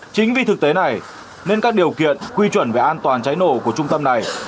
chính vì thực tế này nên các điều kiện quy chuẩn về an toàn cháy nổ của trung tâm này